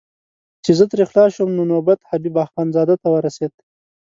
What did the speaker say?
چې زه ترې خلاص شوم نو نوبت حبیب اخندزاده ته ورسېد.